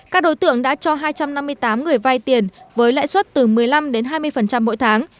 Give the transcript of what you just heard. các đối tượng đã cho hai trăm năm mươi tám người vai tiền với lãi suất từ một mươi năm đến hai mươi mỗi tháng